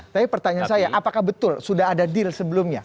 tapi pertanyaan saya apakah betul sudah ada deal sebelumnya